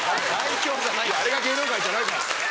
あれが芸能界じゃないからね。